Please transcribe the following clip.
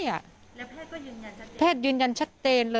แล้วแพทย์ก็ยืนยันชัดเต้น